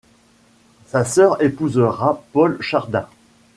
Sa sœur épousera Paul Chardin.